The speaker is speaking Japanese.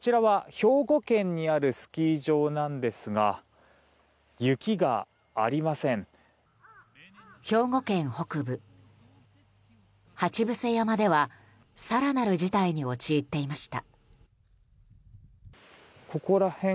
兵庫県北部鉢伏山では更なる事態に陥っていました。